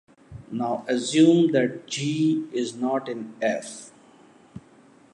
Now assume that "G" is not in "F".